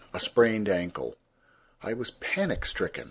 A SPRAINED ANKLE I was panic stricken.